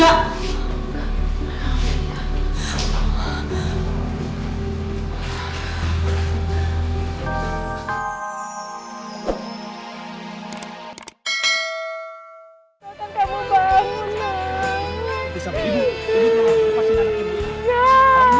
bang mereka gak boleh nikah gak